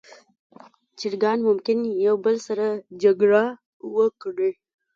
چرګان ممکن یو بل سره جګړه وکړي.